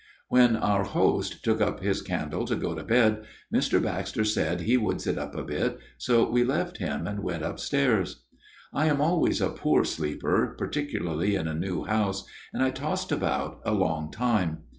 " When our host took up his candle to go to bed, Mr. Baxter said he would sit up a bit, so we left him and went upstairs. " I am always a poor sleeper, particularly in a new house, and I tossed about a long time.